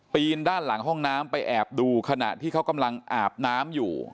ด้านหลังห้องน้ำไปแอบดูขณะที่เขากำลังอาบน้ำอยู่